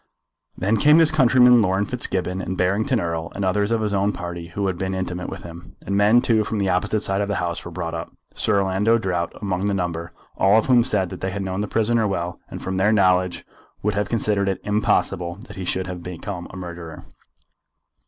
Then came his countryman Laurence Fitzgibbon, and Barrington Erle, and others of his own party who had been intimate with him. And men, too, from the opposite side of the House were brought up, Sir Orlando Drought among the number, all of whom said that they had known the prisoner well, and from their knowledge would have considered it impossible that he should have become a murderer.